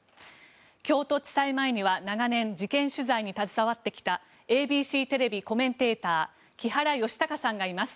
京都地裁前には長年事件取材に携わってきたＡＢＣテレビコメンテーター木原善隆さんがいます。